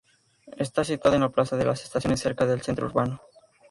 Está situada en la plaza de las Estaciones cerca del centro urbano.